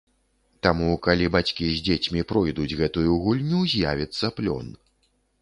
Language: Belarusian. Таму, калі бацькі з дзецьмі пройдуць гэтую гульню, з'явіцца плён.